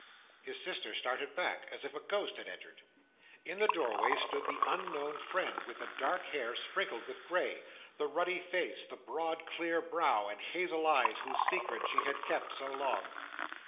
His sister started back, as if a ghost had entered. In the doorway stood the unknown friend, with the dark hair sprinkled with grey, the ruddy face, the broad clear brow, and hazel eyes, whose secret she had kept so long!